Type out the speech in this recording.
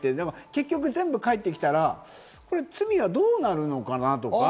結局、全部返ってきたら罪やどうなるのかなとか。